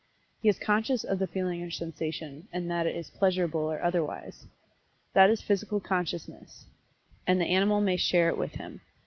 He is conscious of the feeling or sensation, and that it is pleasurable or otherwise. That is Physical Consciousness, and the animal may share it with him.